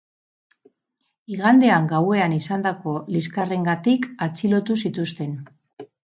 Igandean gauean izandako liskarrengatik atxilotu zituzten.